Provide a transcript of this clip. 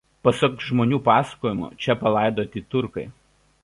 Pasak žmonių pasakojimų čia palaidoti turkai.